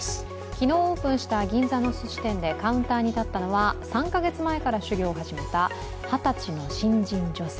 昨日オープンした銀座のすし店でカウンターに立ったのは３か月前から修業を始めた二十歳の新人女性。